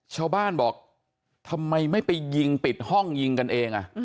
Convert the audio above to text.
ชาวบ้านบอกทำไมไม่ไปยิงปิดห้องยิงกันเอง